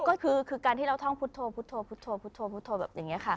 ก็คือการที่เราท่องพุทธโพุทธพุทธแบบอย่างนี้ค่ะ